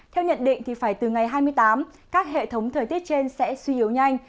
theo nhận định phải từ ngày hai mươi tám các hệ thống thời tiết trên sẽ suy yếu nhanh